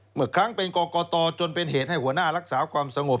เมื่อครั้งเป็นกรกตจนเป็นเหตุให้หัวหน้ารักษาความสงบ